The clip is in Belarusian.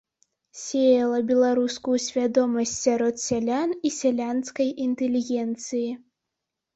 Сеяла беларускую свядомасць сярод сялян і сялянскай інтэлігенцыі.